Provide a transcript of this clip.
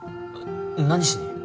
何しに？